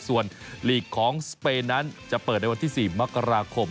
ส่วนลีกของสเปนนั้นจะเปิดในวันที่๔มกราคม